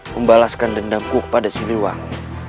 membalaskan dendamku kepada siliwang